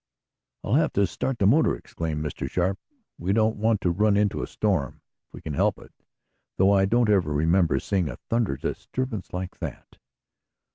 "I'll have to start the motor!" exclaimed Mr. Sharp. "We don't want to run into a storm, if we can help it, though I don't ever remember seeing a thunder disturbance like that."